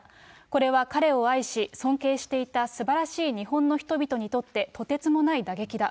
これは彼を愛し、尊敬していたすばらしい日本の人々にとって、とてつもない打撃だ。